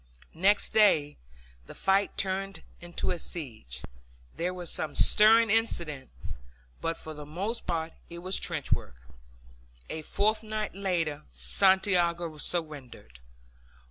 Next day the fight turned into a siege; there were some stirring incidents; but for the most part it was trench work. A fortnight later Santiago surrendered.